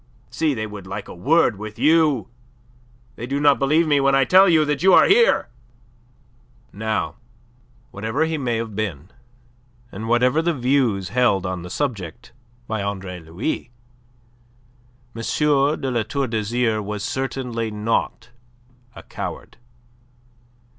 See, they would like a word with you; they do not believe me when I tell them that you are here." Now, whatever he may have been, and whatever the views held on the subject by Andre Louis, M. de La Tour d'Azyr was certainly not a coward.